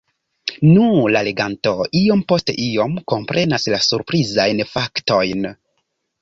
Nu, la leganto iom post iom komprenas la surprizajn faktojn.